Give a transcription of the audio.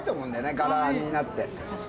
柄になって。